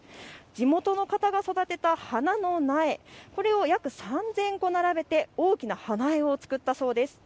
地元の方が育てた花の苗、これを３０００個並べて花絵を作ったそうです。